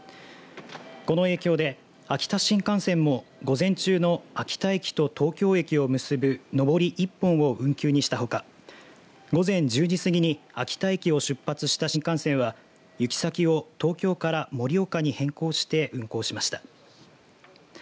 この影響で秋田新幹線も午前中の秋田駅と東京駅を結ぶ上り１本を運休にしたほか午前１０時過ぎに秋田駅を出発した新幹線は行き先を東京から盛岡に変更して運行しました。